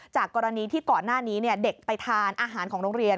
กรณีที่ก่อนหน้านี้เด็กไปทานอาหารของโรงเรียน